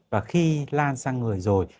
và khi lan sang người rồi